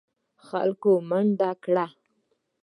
خلکو منډه کړه.